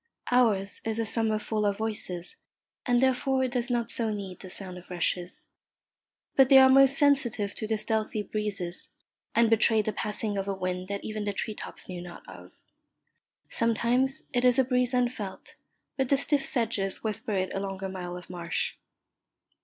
Ours is a summer full of voices, and therefore it does not so need the sound of rushes; but they are most sensitive to the stealthy breezes, and betray the passing of a wind that even the tree tops knew not of. Sometimes it is a breeze unfelt, but the stiff sedges whisper it along a mile of marsh.